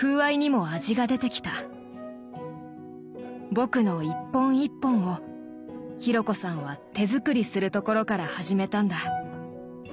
僕の一本一本を紘子さんは手作りするところから始めたんだ。